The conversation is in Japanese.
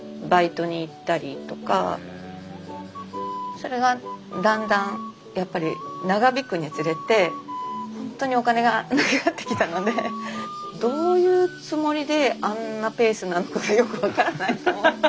それがだんだんやっぱり長引くにつれて本当にお金が無くなってきたのでどういうつもりであんなペースなのかがよく分からないと思って。